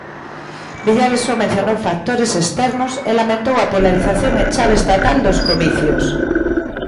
Villares só mencionou factores externos e lamentou a polarización en chave estatal dos comicios.